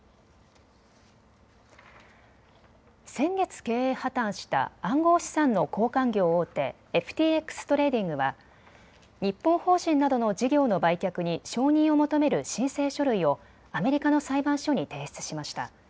先月経営破綻した暗号資産の交換業大手、ＦＴＸトレーディングは、日本法人などの事業の売却に承認を求める申請書類をアメリカの裁判所に提出しました。